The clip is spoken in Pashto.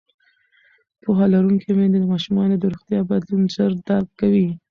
پوهه لرونکې میندې د ماشومانو د روغتیا بدلون ژر درک کوي.